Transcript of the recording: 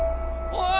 おい！